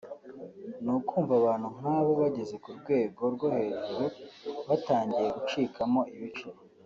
ni ukumva abantu nk’abo bageze ku rwego rwo hejuru batangiye gucikamo ibice